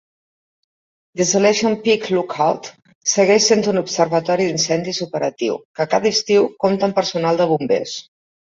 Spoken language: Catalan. Desolation Peak Lookout segueix sent un observatori d'incendis operatiu, que cada estiu compta amb personal de bombers.